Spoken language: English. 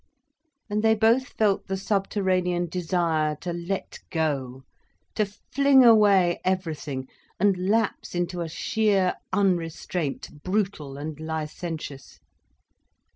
And they both felt the subterranean desire to let go, to fling away everything, and lapse into a sheer unrestraint, brutal and licentious.